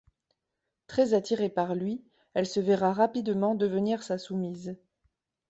Très attirée par lui, elle se verra rapidement devenir sa soumise.